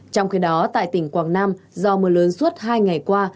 trong khi đó tại tỉnh quảng nam do mưa lớn suốt hai ngày qua